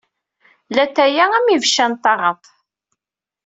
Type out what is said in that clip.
Llatay-a am ibeccan n taɣaḍt.